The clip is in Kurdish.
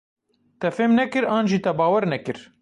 Te fêm nekir an jî te bawer nekir?